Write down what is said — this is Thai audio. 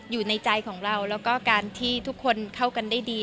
อยู่ในใจของเราแล้วก็การที่ทุกคนเข้ากันได้ดี